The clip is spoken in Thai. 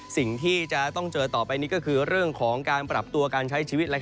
สิ่งที่จะต้องเจอต่อไปนี้ก็คือเรื่องของการปรับตัวการใช้ชีวิต